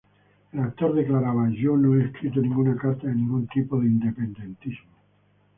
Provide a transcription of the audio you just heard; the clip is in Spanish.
El actor declaraba: "Yo no he escrito ninguna carta de ningún tipo de independentismo.